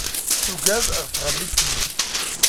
Tuggad ɣef tɣellist-nnek.